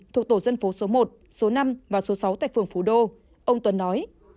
thuộc tổ dân phố số một số năm và số sáu tại phường phú đô ông tuần nói